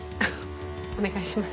お願いします。